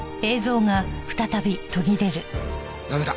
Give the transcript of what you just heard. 駄目だ。